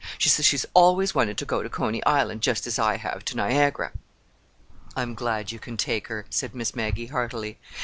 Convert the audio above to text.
She says she's always wanted to go to Coney Island just as I have to Niagara." "I'm glad you can take her," said Miss Maggie heartily.